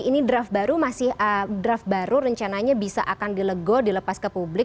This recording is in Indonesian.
ini draft baru masih draft baru rencananya bisa akan dilego dilepas ke publik